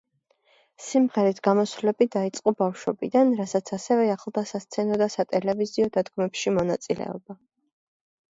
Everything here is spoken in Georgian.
სიმღერით გამოსვლები დაიწყო ბავშვობიდან, რასაც ასევე ახლდა სასცენო და სატელევიზიო დადგმებში მონაწილეობა.